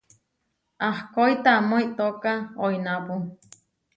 Ahkói tamó itóka oinápu.